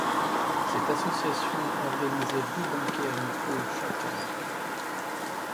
Cette association organisait deux banquets amicaux chaque année.